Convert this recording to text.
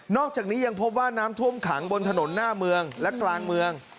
อกจากนี้ยังพบว่าน้ำท่วมขังบนถนนหน้าเมืองและกลางเมือง